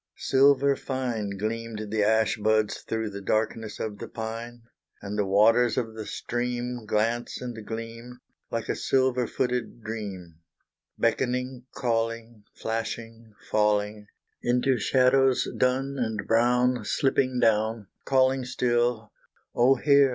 Silver fine Gleamed the ash buds through the darkness of the pine, And the waters of the stream Glance and gleam, Like a silver footed dream Beckoning, calling, Flashing, falling, Into shadows dun and brown Slipping down, Calling still Oh hear!